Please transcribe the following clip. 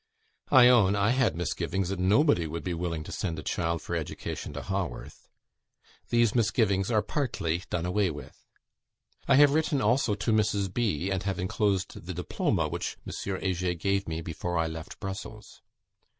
I own I had misgivings that nobody would be willing to send a child for education to Haworth. These misgivings are partly done away with. I have written also to Mrs. B., and have enclosed the diploma which M. Heger gave me before I left Brussels.